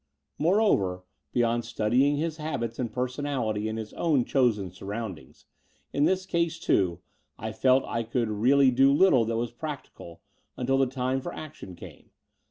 Moreover, beyond studying his habits and personality in his own chosen surroundings, in his case, too, I felt I could really do little that was practical until the time for action came — the.